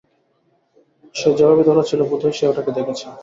সে যেভাবে দৌড়াচ্ছিল, বোধহয় সে ওটাকে দেখেছে।